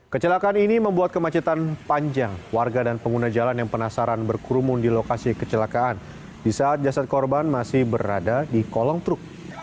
kecelakaan ini membuat kemacetan panjang warga dan pengguna jalan yang penasaran berkerumun di lokasi kecelakaan di saat jasad korban masih berada di kolong truk